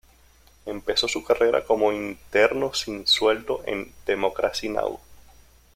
Empezó su carrera como un interno sin sueldo en "Democracy Now!".